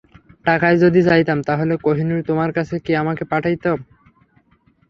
টাকাই যদি চাইতাম, তাহলে কোহিনূর তোমার কাছে কি আর পাঠাইতাম?